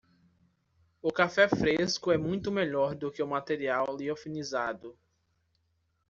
O café fresco é muito melhor do que o material liofilizado.